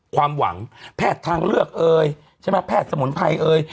ความหวังแพทย์ทางเลือกเอ่ยใช่ไหมแพทย์สมุนไพรเอ่ย